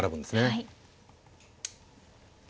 はい。